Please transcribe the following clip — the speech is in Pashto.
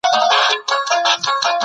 مشران به د سولي خبري وکړي.